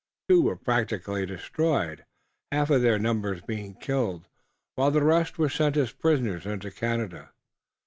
Two were practically destroyed, half of their numbers being killed, while the rest were sent as prisoners into Canada.